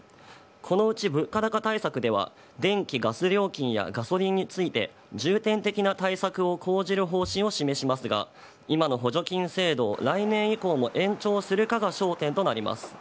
このうち物価高対策では、電気・ガス料金やガソリンについて、重点的な対策を講じる方針を示しますが、今の補助金制度を来年以降も延長するかが焦点となります。